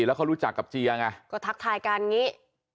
แล้วเขารู้จักกับเจียไงก็ทักทายกันอย่างนี้